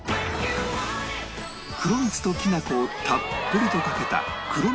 黒蜜ときなこをたっぷりとかけた黒蜜